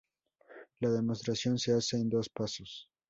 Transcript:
La demostración se hace en dos pasos.